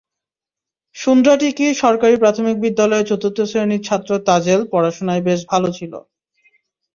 সুন্দ্রাটিকি সরকারি প্রাথমিক বিদ্যালয়ের চতুর্থ শ্রেণির ছাত্র তাজেল পড়াশোনায় বেশ ভালো ছিল।